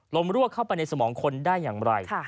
รั่วเข้าไปในสมองคนได้อย่างไร